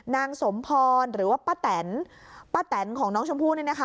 นางสมพรหรือว่าป้าแตนป้าแตนของน้องชมพู่เนี่ยนะคะ